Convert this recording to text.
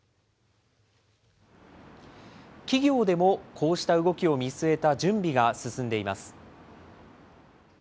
企業でもこうした動きを見据えた準備が進んでいます。